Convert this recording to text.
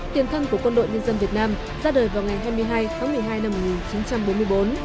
tiền thân của quân đội nhân dân việt nam ra đời vào ngày hai mươi hai tháng một mươi hai năm một nghìn chín trăm bốn mươi bốn